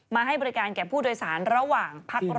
ให้บริการแก่ผู้โดยสารระหว่างพักรอ